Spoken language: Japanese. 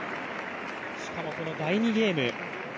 しかもこの第２ゲーム。